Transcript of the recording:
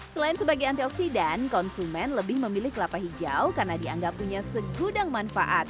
selain sebagai antioksidan konsumen lebih memilih kelapa hijau karena dianggap punya segudang manfaat